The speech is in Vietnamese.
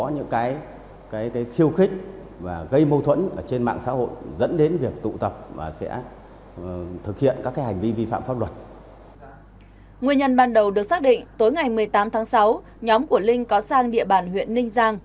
nguyên nhân ban đầu được xác định tối ngày một mươi tám tháng sáu nhóm của linh có sang địa bàn huyện ninh giang